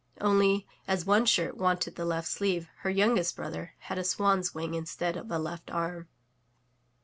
Only, as one shirt wanted the left sleeve, her youngest brother had a swan's wing instead of a left arm.